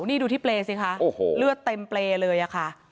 นี่ดูที่เปรย์สิคะโอ้โหเลือดเต็มเปรย์เลยอะค่ะ